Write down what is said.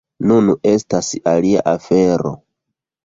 Nun estas alia afero.